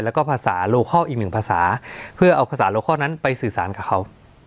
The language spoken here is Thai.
แล้วก็ภาษาโลคอลอีกหนึ่งภาษาเพื่อเอาภาษาโลคอลนั้นไปสื่อสารกับเขา